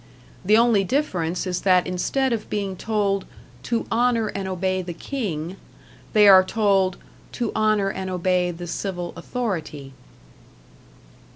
The only difference is that instead of being told "to honour and obey the King," they are told "to honour and obey the civil authority."